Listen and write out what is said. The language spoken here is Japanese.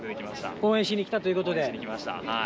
応援しに来たということで？